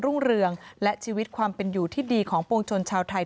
รุ่งเรืองและชีวิตความเป็นอยู่ที่ดีของปวงชนชาวไทย